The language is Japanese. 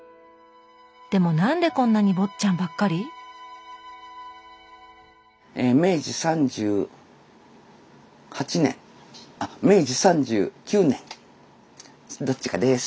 でもなんでこんなに「坊っちゃん」ばっかり？え明治３８年あっ明治３９年どっちかです。